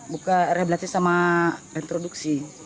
buka rehabilitasi sama introduksi